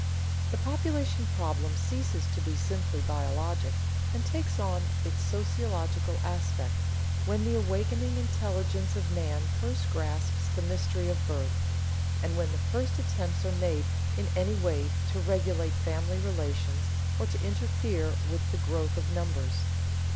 _ The population problem ceases to be simply biologic, and takes on its sociological aspect, when the awakening intelligence of man first grasps the mystery of birth, and when the first attempts are made in any way to regulate family relations or to interfere with the growth of numbers.